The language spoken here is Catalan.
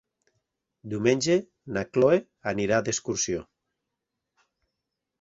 Diumenge na Chloé anirà d'excursió.